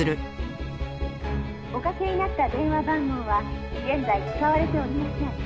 「おかけになった電話番号は現在使われておりません」